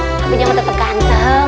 tapi nyamuk tetep ganteng